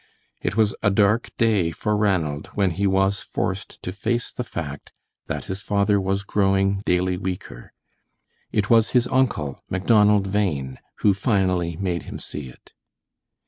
It was a dark day for Ranald when he was forced to face the fact that his father was growing daily weaker. It was his uncle, Macdonald Bhain, who finally made him see it.